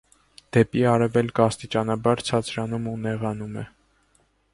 Դեպի արևելք աստիճանաբար ցածրանում ու նեղանում է։